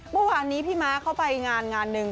เมื่อวานนี้พี่ม้าเข้าไปงานงานหนึ่ง